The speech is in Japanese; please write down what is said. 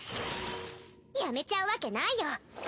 やめちゃうわけないよ。